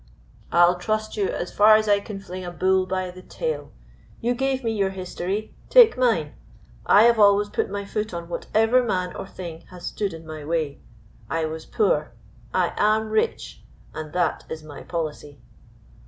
"I'll trust you as far as I can fling a bull by the tail. You gave me your history take mine. I have always put my foot on whatever man or thing has stood in my way. I was poor, I am rich, and that is my policy."